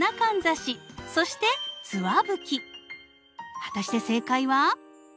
果たして正解は？